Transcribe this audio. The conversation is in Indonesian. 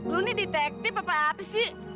lu ini detektif apa apa sih